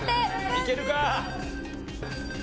いけるか？